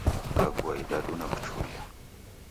Kaghua idadu nakuchuria